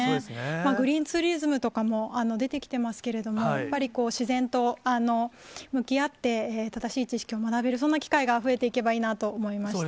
グリーンツーリズムとかも出てきてますけれども、やっぱり自然と向き合って、正しい知識を学べる、そんな機会が増えていけばいいなと思いました。